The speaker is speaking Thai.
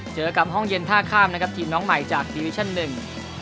เจอกับห้องเย็นท่าข้ามนะครับทีมน้องใหม่จากทีวิชั่นหนึ่ง